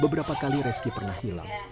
beberapa kali reski pernah hilang